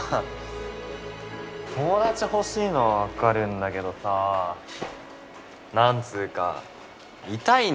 友達欲しいのは分かるんだけどさ何つうか痛いんだよね。